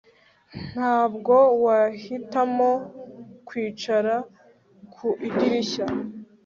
Ntabwo wahitamo kwicara ku idirishya